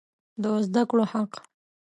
د زده کړو حق